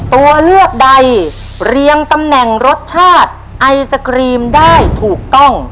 ตัวเลือกใดเรียงตำแหน่งรสชาติไอศครีมได้ถูกต้อง